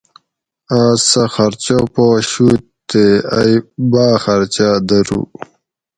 آس سہ خرچہ پا شُوت تے ائی باۤ خرچاۤ دۤرو